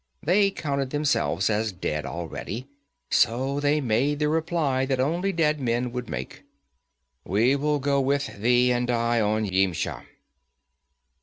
They counted themselves as dead already, so they made the reply that only dead men would make: 'We will go with thee and die on Yimsha.'